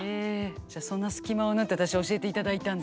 じゃあそんな隙間を縫って私教えていただいたんだ？